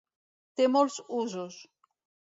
Té molts usos.